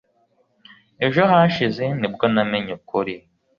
Ejo hashize nibwo namenye ukuri